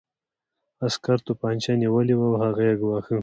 عسکر توپانچه نیولې وه او هغه یې ګواښه